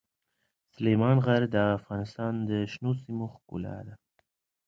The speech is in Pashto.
سلیمان غر د افغانستان د شنو سیمو ښکلا ده.